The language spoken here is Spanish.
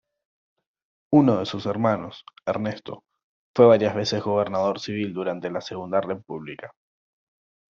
Uno de sus hermanos, Ernesto, fue varias veces gobernador civil durante la Segunda República.